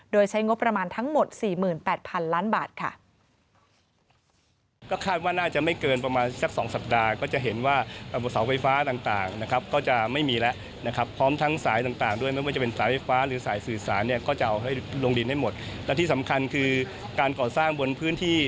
โดยใช้งบประมาณทั้งหมด๔๘๐๐๐ล้านบาทค่ะ